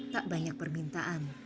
tak banyak permintaan